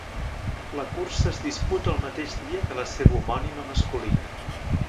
La cursa, es disputa el mateix dia que la seva homònima masculina.